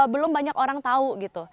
belum banyak orang tahu gitu